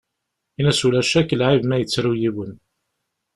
Ini-as Ulac akk lɛib ma yettru yiwen.